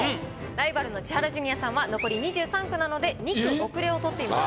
ライバルの千原ジュニアさんは残り２３句なので２句遅れを取っています。